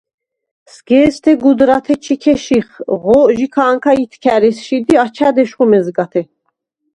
სგ’ე̄სდე გუდრათე ჩიქე შიხ, ღო ჟიქა̄ნქა ითქა̈რ ესშიდ ი აჩა̈დ ეშხუ მეზგათე.